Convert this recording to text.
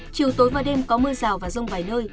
chiều tối và đêm có mưa rào và rông vài nơi